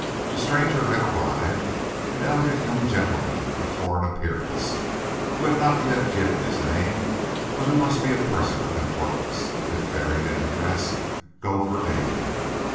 A stranger had arrived, an elegant young gentleman of foreign appearance, who had not yet given his name, but who must be a person of importance, if bearing and address go for anything.